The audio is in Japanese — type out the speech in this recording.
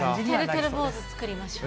てるてる坊主作りましょう。